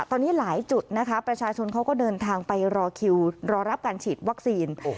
ตอนนี้หลายจุดนะคะประชาชนเขาก็เดินทางไปรอคิวรอรับการฉีดวัคซีน